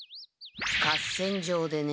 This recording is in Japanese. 合戦場でね。